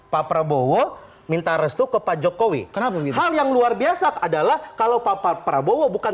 pak prabowo minta restu ke pak jokowi kenapa hal yang luar biasa adalah kalau pak prabowo bukan